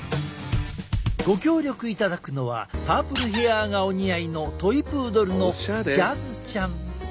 ご協力いただくのはパープルヘアーがお似合いのトイプードルのジャズちゃん。